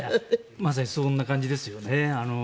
まさにそんな感じですよね。